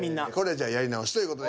じゃやり直しという事で。